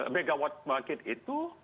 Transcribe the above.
megawatt pembangkit itu